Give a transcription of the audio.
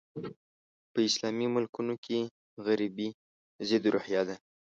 په اسلامي ملکونو کې غربي ضد روحیه ده.